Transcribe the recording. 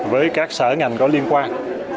với các sở ngành có liên quan